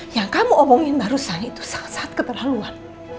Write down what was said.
yang kamu omongin barusan itu sangat sangat keterlaluan